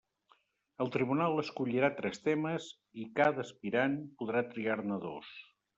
El tribunal escollirà tres temes, i cada aspirant podrà triar-ne dos.